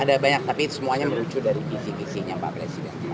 ada banyak tapi semuanya merucu dari visi visinya pak presiden